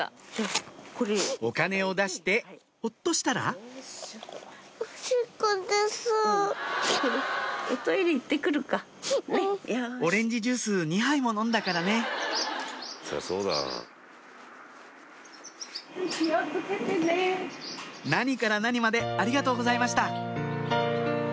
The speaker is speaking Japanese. お金を出してほっとしたらオレンジジュース２杯も飲んだからね何から何までありがとうございました